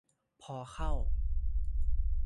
พอเข้า